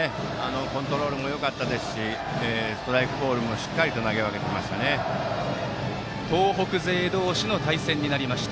コントロールもよかったですしストライク、ボールも東北勢同士の対戦になりました。